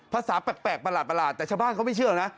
แปลกประหลาดแต่ชาวบ้านเขาไม่เชื่อนะ